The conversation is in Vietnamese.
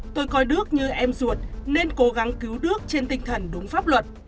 tôi coi đức như em ruột nên cố gắng cứu đức trên tinh thần đúng pháp luật